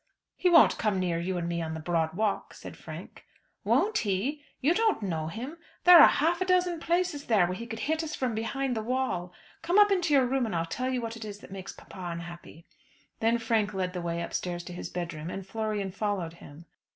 "He won't come near you and me on the broad walk," said Frank. "Won't he? You don't know him. There are half a dozen places there where he could hit us from behind the wall. Come up into your room, and I'll tell you what it is that makes papa unhappy." Then Frank led the way upstairs to his bedroom, and Florian followed him.